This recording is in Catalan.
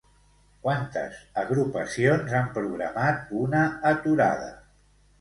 Quantes agrupacions han programat una aturada?